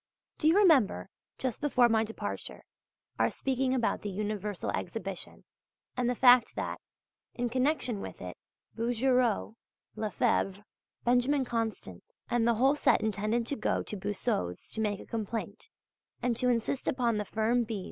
Do you remember, just before my departure, our speaking about the Universal Exhibition and the fact that, in connection with it, Bouguereau, Lefèbvre, Benjamin Constant and the whole set intended going to Boussod's to make a complaint and to insist upon the firm B.